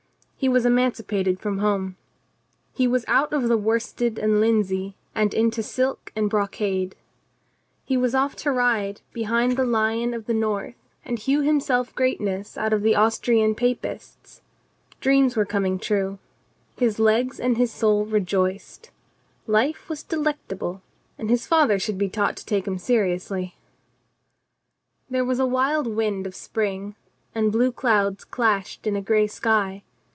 He was emancipated from home. He was out of the worsted and linsey and into silk and brocade. He was off to ride behind the Lion of I 2 COLONEL GREATHEART the North and hew himself greatness out of the Aus trian Papists. Dreams were coming true. His legs and his soul rejoiced. Life was delectable. And his father should be taught to take him seriously. There was a wild wind of spring, and blue clouds clashed in a gray sky.